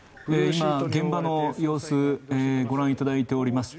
今、現場の様子をご覧いただいております。